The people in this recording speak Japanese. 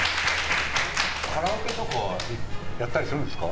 カラオケとかはやったりするんですか？